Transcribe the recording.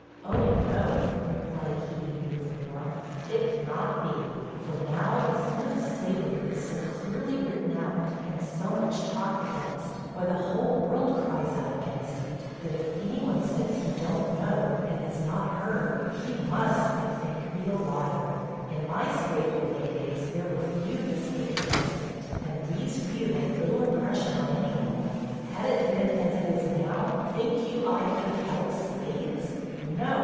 'O, no,' replied he, with warmth, 'it cannot be. For, now, the sin of slavery is so clearly written out, and so much talked against, (why, the whole world cries out against it!) that if any one says he don't know, and has not heard, he must, I think, be a liar. In my slaveholding days, there were few that spoke against it, and these few made little impression on any one. Had it been as it is now, think you I could have held slaves? No!